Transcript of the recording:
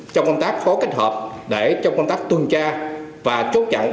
trong công tác phố kết hợp để trong công tác tuân tra và chốt chặn